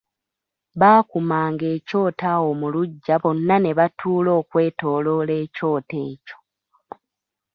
Baakumanga ekyoto awo mu luggya bonna ne batuula okwetoloola ekyoto ekyo.